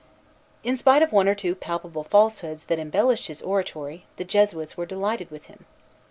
In spite of one or two palpable falsehoods that embellished his oratory, the Jesuits were delighted with him.